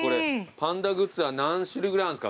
パンダグッズは何種類ぐらいあるんですか？